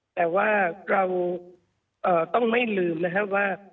แต่ว่าเราอ่าต้องไม่ลืมนะคะว่า